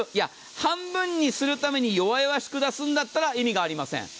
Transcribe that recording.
半分にするために弱々しく出すんだったら意味がありません。